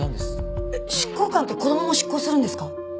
えっ執行官って子供も執行するんですか？